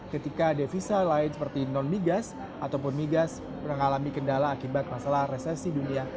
ketika devisa lain seperti non migas ataupun migas mengalami kendala akibat masalah resesi dunia